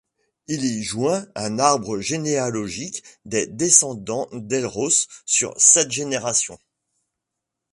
Il y joint un arbre généalogique des descendants d'Elros sur sept générations.